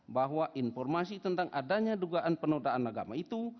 bahwa informasi tentang adanya dugaan penodaan agama itu